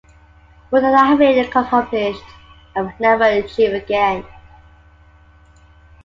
What I have here accomplished, I will never achieve again.